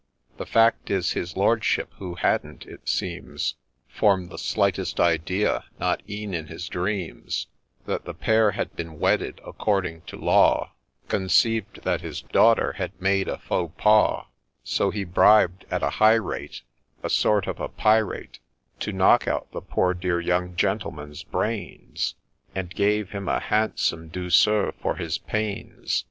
The fact is, his Lordship, who hadn't, it seems, Form'd the slightest idea, not ev'n in his dreams, That the pair had been wedded according to law, Conceived that his daughter had made a faux pa* ; So he bribed at a high rate A sort of a Pirate SOME ACCOUNT OF A NEW PLAY 187 To knock out the poor dear young Gentleman's brains, And gave him a handsome douceur for his pains.